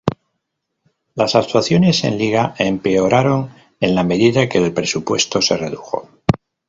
Las actuaciones en liga empeoraron en la medida que el presupuesto se redujo.